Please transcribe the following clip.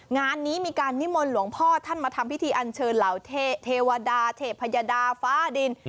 งานนี้มีการนิมนต์หลวงพ่อท่านมาทำพิธีอันเชิญเหล่าเทวดาเทพยดาฟ้าดิน